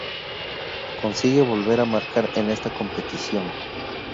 Consigue volver a marcar en esta competición.